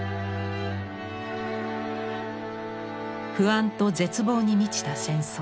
不安と絶望に満ちた戦争。